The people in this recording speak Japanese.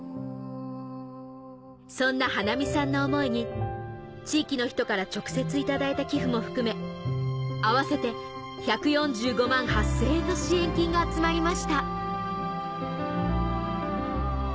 そんな華実さんの想いに地域の人から直接頂いた寄付も含め合わせて１４５万８０００円の支援金が集まりました